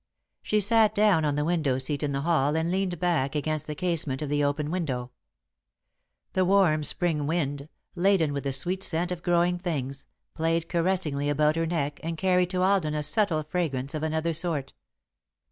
She sat down on the window seat in the hall and leaned back against the casement of the open window. The warm Spring wind, laden with the sweet scent of growing things, played caressingly about her neck and carried to Alden a subtle fragrance of another sort.